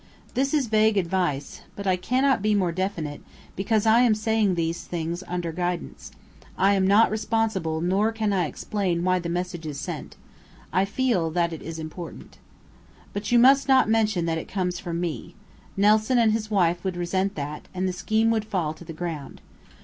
This is vague advice. But I cannot be more definite, because I am saying these things under guidance. I am not responsible, nor can I explain why the message is sent. I feel that it is important. But you must not mention that it comes from me. Nelson and his wife would resent that; and the scheme would fall to the ground.